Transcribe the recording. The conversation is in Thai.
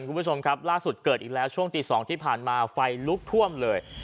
คุณผู้ชมครับล่าสุดเกิดอีกแล้วช่วงตี๒ที่ผ่านมาไฟลุกท่วมเลย